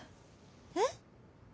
「えっ？」。